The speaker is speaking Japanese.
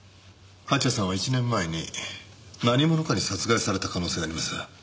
蜂矢さんは１年前に何者かに殺害された可能性があります。